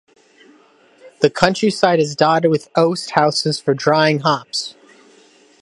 The countryside is dotted with oast houses for drying hops.